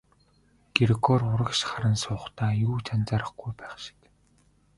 Грегори урагш харан суухдаа юу ч анзаарахгүй байх шиг.